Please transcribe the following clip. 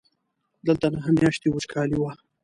دلته نهه میاشتې وچکالي وه.